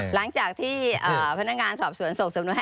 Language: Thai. หลังจากที่พนักงานสอบสวนส่งสำนวนให้